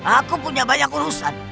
aku punya banyak urusan